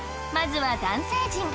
まずは男性陣